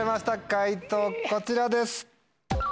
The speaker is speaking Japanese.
解答こちらです。